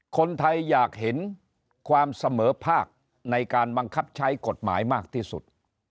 คนไทยอยากเห็นความเสมอภาคในการบังคับใช้กฎหมายมากที่สุด